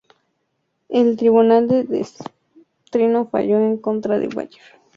El tribunal de distrito falló en contra de Breyer.